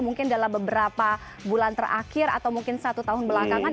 mungkin dalam beberapa bulan terakhir atau mungkin satu tahun belakangan